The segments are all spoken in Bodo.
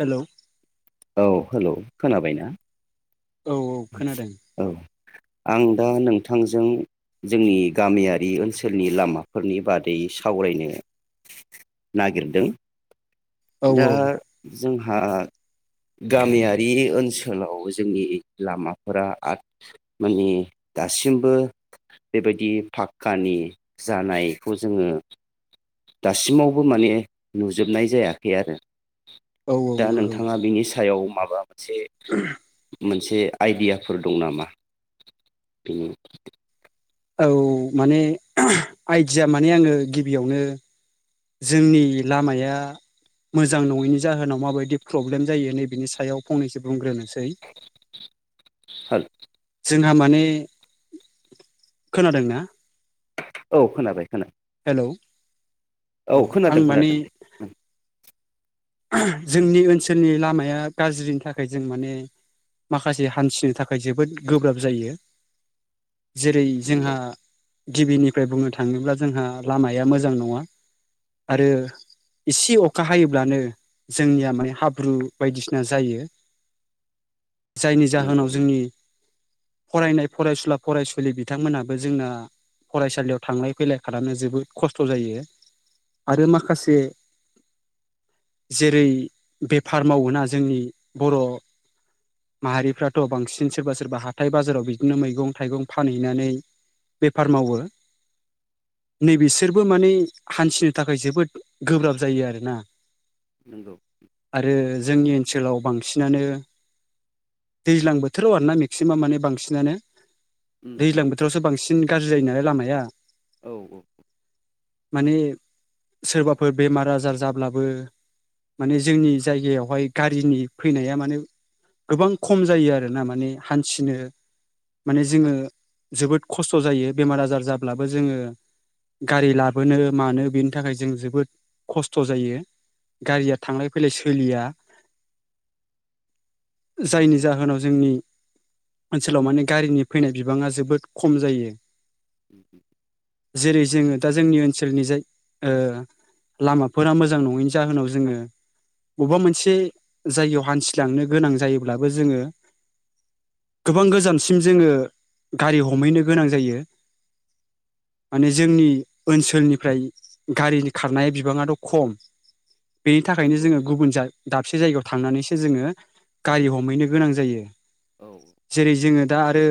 हेलौ औ हेलौ खोनाबाय ना? औ औ खोनादों आं दा नोंथांजों जोंनि गामियारि ओनसोलनि लामाफोरनि बादै सावरायनो नागिरदों औ दा औ जोंहा गामियारि ओनसोलाव जोंनि लामाफोरा आंथ माने दासिमबो बेबायदि फाक्कानि जानायखौ जोङो दासिमावबो माने नुजोबनाय जायाखै आरो औ औ दा नंगौ नोंथाङा बिनि सायाव माबा मोनसे मोन से आइडियाफोर दं नामा बिनि औ माने आइडिया माने आङो गिबियावनो जोंनि लामाया मोजां नङैनि जाहोनाव माबायदि प्रब्लेम जायो नैबनि सायाव फंनैसो बुंग्रोनो हेल आंहा माने खोनादों ना औ खोनाबाय खोना औ आं माने जोंनि ओनसोलनि लामाया गाज्रिनि थाखाय जों माने माखासे हान्थिनो थाखाय जोबोद गोब्राब जायो जेरै नंगौ जोंहा गिबिनिफ्राय बुंनो थाङोब्ला जोंहा लामाया मोजां नङा आरो इसे अखा हायोब्लानो जोंनिया माने हाब्रु बायदिसिना जायो जायनि नंगौ जाहोनाव नंगौ जोंनि फरायनाय फरायसुला फरायसुलि बिथांमोनहाबो जोंना फरायसालियाव थांलाय फैलाय खालामनो जोबोद खस्थ' जायो आरो माखासे जेरै बेफार मावोना जोंनि बर' माहारिफ्राथ' बांसिन सोरबा सोरबा हाथाय बाजाराव बिदिनो मैगं थाइगं फानहैनानै बेफार मावो नै बिसोरबो माने हान्थिनो थाखाय जोबोद गोब्राब जायो आरोना नंगौ आरो जोंनि ओनसोलाव बांसिनानो दैज्लां बोथोराव आरोना मेक्सिमाम माने बांसिनानो उम उम दैज्लां बोथोरावसो बांसिन गाज्रि जायो नालाय लामाया हाया औ औ माने सोरबाफोर बेमार आजार जाब्लाबो माने जोंनि जायगायावहाय गारिनि फैनाया माने गोबां खम जायो आरोना माने हान्थिनो माने जोङो जोबोद खस्थ' जायो बेमार आजार जाब्लाबो जोङो गारि लाबोनो मानो बेनि थाखाय जों जोबोद खस्थ' जायो गारिया थांलाय फैलाय सोलिया माने जायनि जाहोनाव जोंनि ओनसोलाव माने गारिनि फैनाय बिबाङा जोबोद खम जायो [unintelligible] जेरै जोङो दा जोंनि ओनसोलनि जाय ओ लामाफोरा मोजां नङैनि जाहोनाव जोङो बबेबा मोनसे जायगायाव हान्थिलांनो गोनां जायोब्लाबो जोङो गोबां गोजानसिम जोङो गारि हमहैनो गोनां जायो माने जोंनि ओनसोलनिफ्राय गारिनि खारनाय बिबाङाथ' खम बेनि थाखायनो नंगौ जोङो गुबुन जाय दाबसे जायगायाव थांनानैसो जोङो गारि हमहैनो गोनां जायो औ जेरै जोङो दा आरो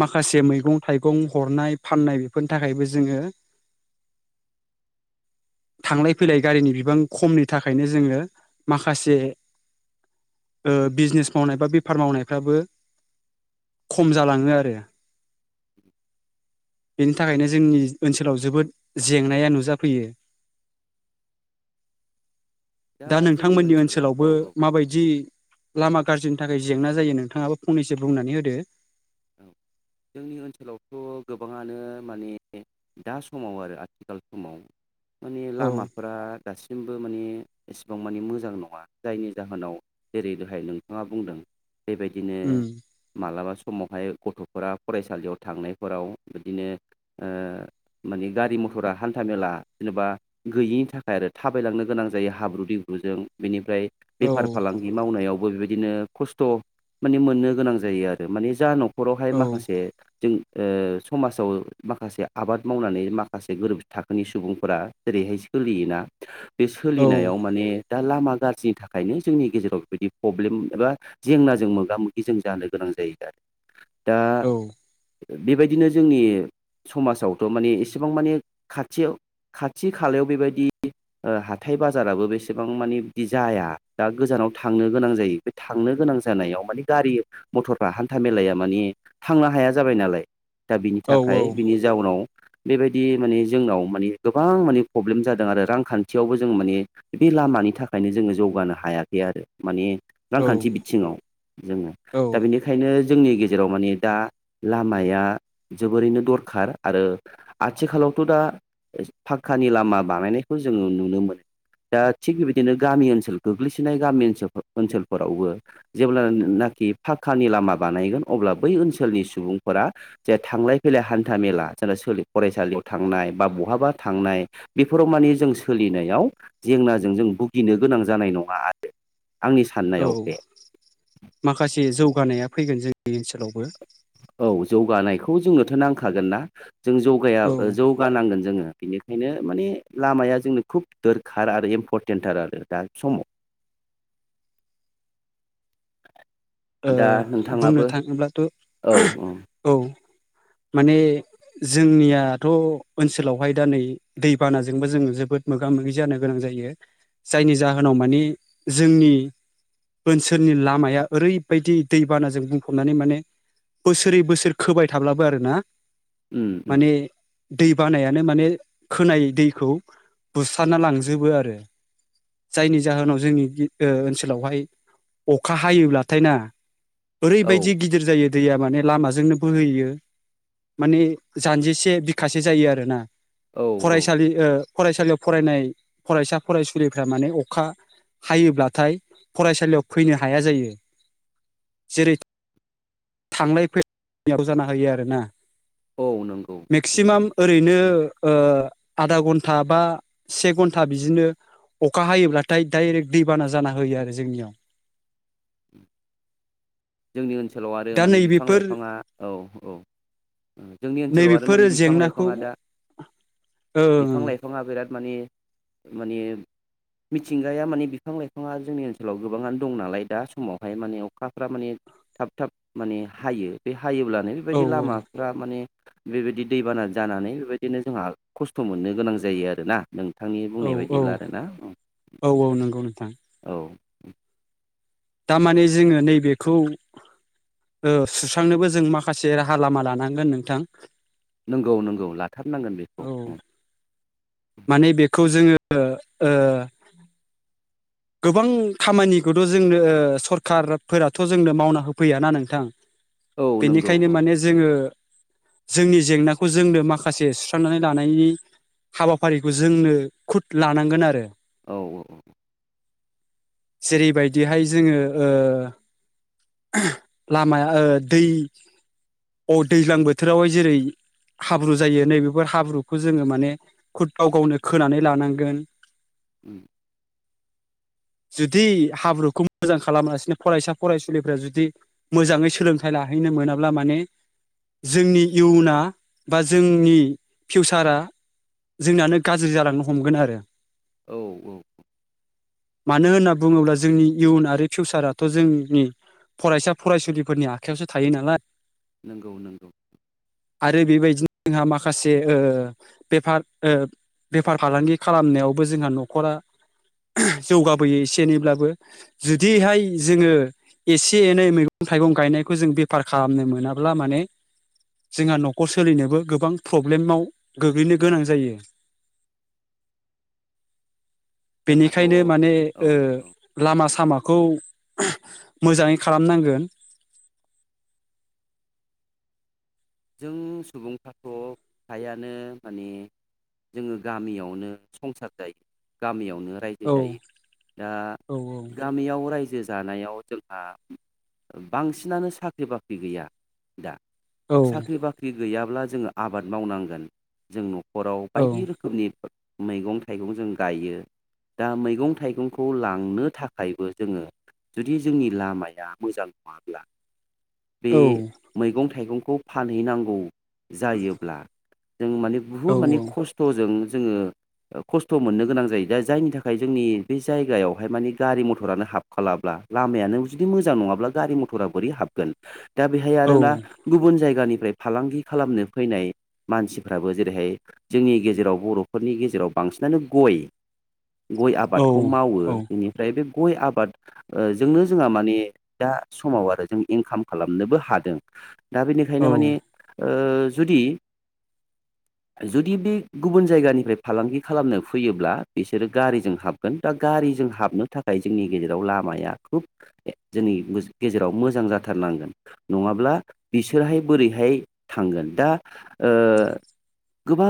माखासे मैगं थायगं हनाय फानायफोरनि थाखायबो जोङो थांलाय फैलाय गारिनि बां खमनि थाखायनो जोङो माखासे ओ बिजनेस मावनाय बा बेफार मावनायफ्राबो खम जालाङो आरो बेनि थाखायनो जोंनि ओनसोलाव जोबोद जेंनाया नुजाफैयो दा जोंनि नोंथांमोननि ओनसोलाव ओनसोलावबो औ औ माबायदि लामा गाज्रिनि थाखाय जेंना जायो नोंथाङाबो फंनैसो बुंनानै होदो औ जोंनि ओनसोलावथ' गोबाङानो माने दा समाव आरो आथिखाल समाव माने औ लामाफोरा दासिमबो माने एसेबां मानि मोजां नङा जायनि जाहोनाव जेरै दहाय नोंथाङा बुंदों बेबायदिनो उम मालाबा सम समावहाय गथ'फोरा फरायसालियाव थांनायफोराव बिदिनो ओ माने गारि मथरा हान्था मेला जेनेबा गैयिनि थाखाय आरो थाबायलांनो गोनां जायो हाब्रु दैब्रुजों बेनिफ्राय औ बेफार फालांगि मावनायाव बेबायदिनो खसथ' माने मोननो गोनां जायो आरो माने जानु नखरावहाय औ माखासे जों ओ समाजाव माखासे आबाद मावनानै माखासे गोरिब थाखोनि सुबुंफोरा जेरैहाय सोलियोना बे औ सोलिनायाव माने दा लामा गाज्रिनि थाखायनो जोंनि गेजेराव बेबायदि प्रब्लेम एबा जेंनाजों मोगा मोगि जों जानो गोनां जायो दा दा औ बेबायदिनो जोंनि समाजावथ' माने एसेबां माने खाथियाव खाथि खालायाव बेबायदि हाथाय बाजाराबो बेसेबां मानिे बिदि जाया दा गोजानाव थांनो गोनां जायो बे थांनो गोनां जानायाव मानि गारि मथरफ्रा ह हान्था मेलाया माने थांनो हाया जाबाय नालाय दा बिनि थाखाय औ बिनि जाउनाव बेबायदि माने जोंनाव माने गोबां माने प्रब्लेम जादों आरो रांखान्थियावबो जों माने बे लामानि थाखायनो जोङो जौगानो हायाखै आरो माने औ रांखान्थि बिथिङाव जोङो औ दा बेनिखाय नो जोंनि गेजेराव माने दा लामाया जोबोरैनो दरखार आरो आथिखालावथ दा फाखकानि लामा बानायनायखौ जोङो नुनो मोनो दा थिग बेबायदिनो गामि ओनसोल गोग्लैसोनाय गामि ओ ओनसोलफोरावबो जेब्लानाखि फा खानि लामा बानायगोन अब्ला बै ओनसोलनि सुबुंफोरा जे थांलाय फैलाय हान्था मेला जेरै फरायसालियाव थांनाय बा बहाबा थांनाय बेफोराव माने जों सोलिनायाव जेंनाजों जों भुगिनो गोनां जानाय नङा आरो औ माखासे जौगानाया फैगोन जोंनि ओनसोलावबो औ जौगानायखौ जोंनोथ नांखागोनना? जों जौगाया औ जौगानांगोन जोङो बिनिखायनो माने लामाया जोंनो खुब दोरखार आरो इम्परटेन्टार आरो दा समाव ओ दा नोंथाङाबो बुंनो थाङोब्लाथ औ माने जोंनियाथ ओनसोलावहाय दा नै दैबानाजोंबो जों जोबोद मोगा मोगि जानो गोनां जायो जायनि जाहोनाव माने जोंनि ओनसोलनि लामाया ओरै बायदि दैबानाजों बुंफबनानै माने बोसोरै बोसोर खोबाय थाब्लाबो आरोना उम उम माने दै बानायानो माने खोनाय दैखौ बुस्राना लांजोबो आरो जायनि जाहोनाव जोंनि ओ ओनसोलावहाय अखा हायोब्ला थाइना औ ओरैबायदि गिदिर जायो दैया माने लामाजोंनो बोहैयो माने जानजिसे बिखासे जायो आरोना औ औ फरायसालि ओ फरायसालियाव फरायनाय फरायसा फरायसुलिफ्रा माने अखा हायोब्लाथाय फरायसालियाव फैनो हाया जायो जेरै थांलाय फैलायाव जाना होयो आरोना औ नंगौ बेखौ मेक्सिमाम ओरैनो उम ओ आधा घन्टा बा से घन्टा बिदिनो अखा हायोब्लाथाय डायरेक्ट दैबाना जाना होयो आरो जोंनियाव जोंनि ओनस सोलाव आरो दा माने बिफां नैबेफोर लाइफाङा औ औ जोंनि ओनसोलाव आरो नैबेफोर माने बिफां जेंनाखौ लाइफाङा दा ओ बिफां लाइफाङा बिराद माने माने मिथिंगाया माने बिफां लाइफाङा जोंनि ओनसोलाव गोबाङानो दं नालाय दा समावहाय माने अखाफ्रा माने थाब थाब माने हायो बे हा हायोब्लानो औ बेबायदि लामाफ्रा माने बेबायदि दैबाना जानानै बेबायदिनो जोंहा खस्थ मोननो गोनां जायो आरोना नोंथांनि औ बुंनाय बायदिब्ला आरोना उम औ औ नंगौ नोंथां औ दां माने जोङो नैबेखौ ओ सुस्रांनोबो जों माखासे राहा लामा लानांगोन नोंथां नंगौ नंगौ लाथारनांगोन औ बेखौ उम माने बेखौ जोङो ओ गोबां खामानिखौथ जोंनो ओ सरखारफोराथ जोंनो मावना होफैयाना नोंथां? औ नंगौ बेनिखायनो औ माने जोङो जोंनि जेंनाखौ जोंनो माखासे सुस्रांनानै लानायनि हाबाफारिखौ जोंनो खुद लानांगोन आरो औ औ औ जेरैबायदिहाय जोंङो ओ लामाया दै अ दैज्लां बोथोरावहाय जेरै हाब्रु जायो नैबेफोर हाब्रुखौ जोंङो माने खुद गाव गावनो खोनानै लानांगोन उ [unintelligible] जुदि हाब्रुखौ मोजां खालामासिनो फरायसा फरायसुलि जोंफोर जुदि मोजाङै सोलोंथाइ लाहैनो मोनाब्ला माने जोंनि इयुना बा जोंनि फिउसारा जोंनानो गाज्रि जालांनो हमगोन आरो औ औ औ मानो होनना बुंङोब्ला जोंनि इयुन आरो फिउसाराथ जोंनि फरायसा फरायसुलिफोरनि आखायावसो थायो नालाय नंगौ नंगौ आरो बेबायदिनो जोंहा माखासे बेफार बेफार फालांगि खालामनायावबो जोंहा नखरा जौगाबोयो एसे एनैब्लाबो उम, जुदिहाय जोंङो एसे एनै मैगं थाइगं गायनायखौ जों बेफार खालामनो मोनाब्ला माने जोंहा नखर सोलिनोबो गोबां प्रब्लेमाव गोग्लैनो गोनां जायो जोंहाथ' बेनिखायनो माने ओ औ औ लामा सामाखौ [unintelligible] मोजांङै खालामनांगोन [inaudible] जों सुबुंफ्राथ फ्रायानो माने जोंङो गामियावनो संसार जायो गामियाव नो राज्यो औ जायो दा औ गामियाव राज्यो जा जानायाव जोंहा बांसिनानो साख्रि बाख्रि गैया दा औ साख्रि बाख्रि गैयाब्ला जोंङो आबाद मावनांगोन जों न खराव औ बायदि रोखोमनि मैगं थाइगं जों गायो दा मैगं थाइगंखौ लांनो थाखायबो जोंङो जुदि जोंनि लामाया मोजां नंङाब्ला बे औ मैगं थाइगं फानहैनांगौ जायोब्ला जों मानि बुहुत मानि खस्थजों जोंङो खस्थ मोननो गोनां जायो दा जायनि थाखाय जोंनि बे जायगायावहाय मानि गारि मथरानो हाबखालाब्ला लामायानो जुदि मोजां नंङाब्ला गारि मथरा बोरै हाबगोन दा बेहाय औ आरोना गुबुन जायगा जायगानिफ्राय फालांगि खालामनो फैनाय मानसिफ्राबो जेरैहाय जोंनि गेजेराव बरफोरनि गेजेराव बांसिनानो गय गय आबादखौ औ मावो औ बेनिफ्राय बे गय आबाद ओ जोंनो जोंहा माने दा समाव आरो जों इंकाम खालामनोबो हादों दा बे बेखायनो माने औ ओ जुदि जुदि बे गुबुन जायगानिफ्राय फालांगि खालामनो फैयोब्ला बिसोरो गारिजों हाबगोन दा गारिजों हाबनो थाखाय जोंनि गेजेराव लामाया खुब जोंनि गेजेराव मोजां जाथारनांगोन नंङाब्ला बिस बिसोरहाय बोरैहाय थांगोन दा ओ गोबां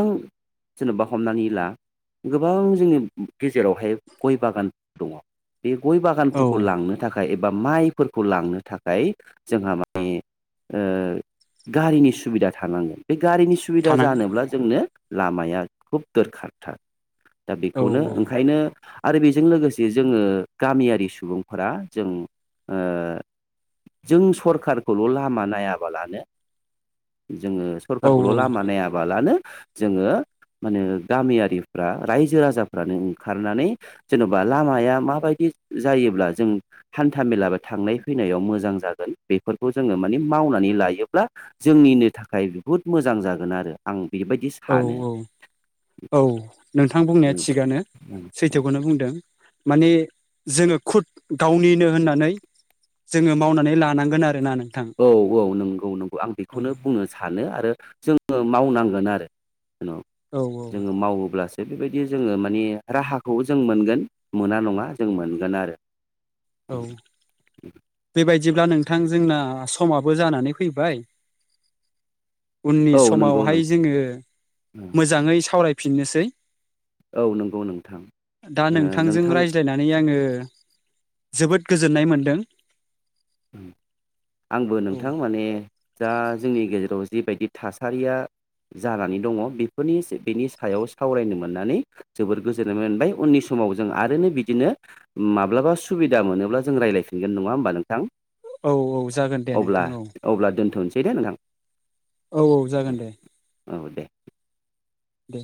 जेनेबा हमनानै ला गोबां जोंनि गेजेरावहाय गय बागान दंङ बे गय औ बागानफोरखौ लांनो थाखाय एबा बा माइफोरखौ लांनो थाखाय जोंहा माने ओ गारिनि सुबिदा थानांगोन बे गारिनि सुबिदा थानां जानोब्ला जोंनो लामाया खुब दरखारथार दा औ बेखौनो ओंखायनो आरो बेजों लोगोसे जोङो गामियारि सुबुंफोरा जों ओ जों सरखारखौल लामा नाया बालानो जोङो औ सरखारखौल लामा नायाबालानो जोङो मानो गामियारिफ्रा रायजो राजाफ्रानो ओंखारनानै जेनबा लामाया माबायदि जायोब्ला जों हान्था मेला बा थांनाय फैनायाव मोजां जागोन बेफोरखौ जोङो माने मावनानै नै लायोब्ला जोंनिनो थाखाय बहुद मोजां जागोन आरो आं बेबायदि सानो औ औ औ नोंथां बुंनाया थिगानो सैथोखौनो बुंदों माने जोङो खुद गावनिनो होननानै जोङो मावनानै लानांगोन आरोना नों औ औ नंगौ नंगौ आं बेखौनो बुंनो सानो आरो जों मावनांगोन आरो। जेन' औ जोङो औ मावोब्लासो बेबायदि जोङो मानिे राहाखौ जों मोनगोन मोना नङा जों मोनगोन आरो। औ बेबायदिब्ला नों नोंथां जोंना समाबो जानानै फैबाय उननि औ नंगौ नों समावहाय जोङो औ मोजाङै सावराय फिननोसै। नंगौ नोंथां दा ओ नोंथांजों नोंथां रायज्लायनानै आङो [unintelligible] जोबोद गोजोननाय मोनदों। आंबो औ नोंथां माने जा जोंनि गेजेराव जिबायदि थासारिया जानानै दङ बेफोरनि बेनि सायाव सावरायनो मोननानै जोबोर गोजोननाय मोनबाय उननि समाव जों आरोनो बिदिनो माब्लाबा सुबिदा मोनोब्ला जों रायज्लायफिनगोन नङा होमबा नोंथां? औ औ जागोन दे नोंथां औ। दे दे नोंथां। औ औ जागोन दे। औ दे। दे।